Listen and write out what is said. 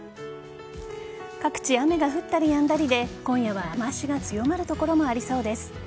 各地雨が降ったりやんだりで今夜は雨脚が強まる所もありそうです。